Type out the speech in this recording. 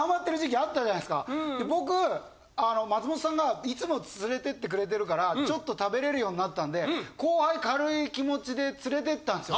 僕松本さんがいつも連れて行ってくれてるからちょっと食べれるようになったんで後輩軽い気持ちで連れて行ったんですよ。